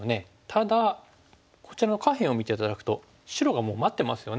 ただこちらの下辺を見て頂くと白がもう待ってますよね。